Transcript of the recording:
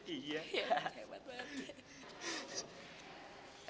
iya hebat banget